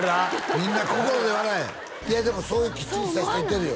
みんな心で笑えいやでもそういうきっちりした人いてるよ